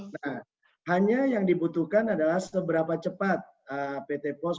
nah hanya yang dibutuhkan adalah seberapa cepat pt pos